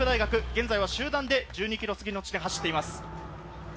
現在は集団で１２ｋｍ過ぎの地点を走っています。